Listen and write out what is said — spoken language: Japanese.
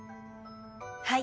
はい。